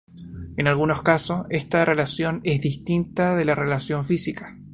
En algunos casos, esta relación es distinta de la relación física.